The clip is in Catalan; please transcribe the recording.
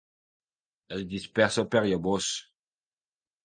Es dispersa per llavors.